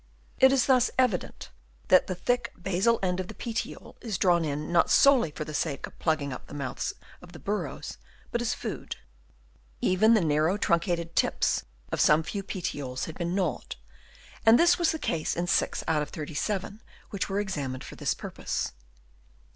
It is thus evident that the thick basal end of the petiole is drawn in not solely for the sake of plugging up the mouths of the burrows, but as food. Even the narrow truncated tips of some few petioles had been gnawed ; and this was the case in 6 out of 37 which were examined for this purpose.